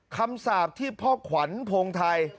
คำสาปที่พ่อขวัญพงไทย